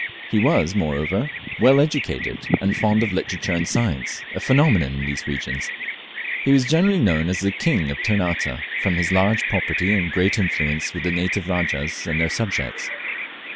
He was moreover, well educated, and fond of literature and science a phenomenon in these regions. He was generally known as the king of Ternate, from his large property and great influence with the native Rajahs and their subjects.